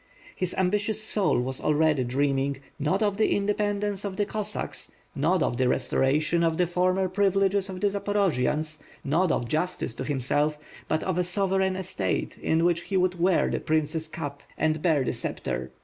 His ambitious soul was already dreaming, not of the independence of the Cossacks, not of the restoration of the former privileges of the Zaporojians, not of justice for himself; but of a sovereign state, in which he would wear the prince's cap and bear the sceptre.